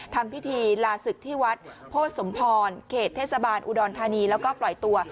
ทำพิธีลาศึกที่วัดโพธิสมพรเขตเทศบาลอุดรธานีแล้วก็ปล่อยตัว